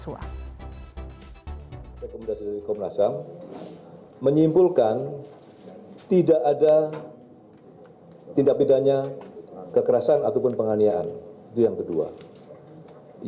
salah satu rekomendasi komnas ham menyimpulkan tidak ada tindak pidana kekerasan ataupun penganiayaan